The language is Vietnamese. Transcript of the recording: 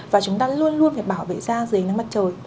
và chúng ta luôn luôn phải bảo vệ da dày nắng mặt trời